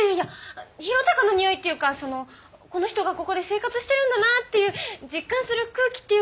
宏嵩のにおいっていうかそのこの人がここで生活してるんだなっていう実感する空気っていうか。